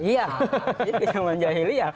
iya ke zaman jahiliah